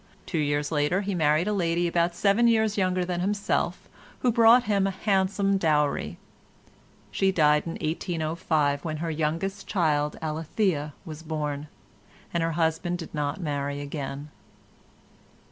Two years later he married a lady about seven years younger than himself, who brought him a handsome dowry. She died in 1805, when her youngest child Alethea was born, and her husband did not marry again.